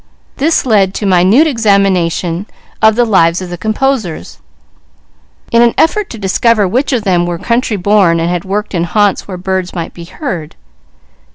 This led to minute examination of the lives of the composers, in an effort to discover which of them were country born and had worked in haunts where birds might be heard.